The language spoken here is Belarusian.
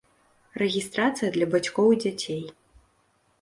Рэгістрацыя для бацькоў і дзяцей.